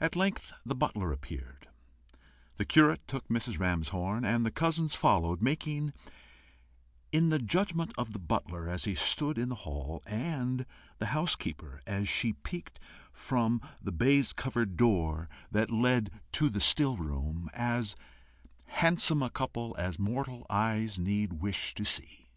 At length the butler appeared, the curate took Mrs. Ramshorn, and the cousins followed making, in the judgment of the butler as he stood in the hall, and the housekeeper as she peeped from the baise covered door that led to the still room, as handsome a couple as mortal eyes need wish to see.